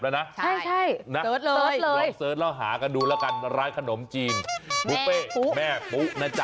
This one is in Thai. ใช่เสิร์ชเลยเสิร์ชแล้วหากันดูแล้วกันร้านขนมจีนแม่ปุ๊แม่ปุ๊นะจ๊ะ